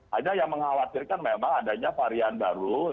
hanya yang mengkhawatirkan memang adanya varian baru